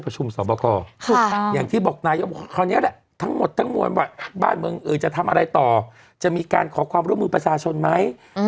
จำทำอะไรต่อจะมีการขอความร่วมมือประสาธารณ์ชนไหมหืม